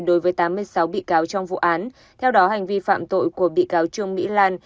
đối với tám mươi sáu bị cáo trong vụ án theo đó hành vi phạm tội của bị cáo trương mỹ lan